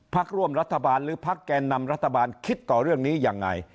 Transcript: พักร่วมรัฐบาลหรือพักแก่นำรัฐบาลคิดต่อเรื่องนี้ยังไง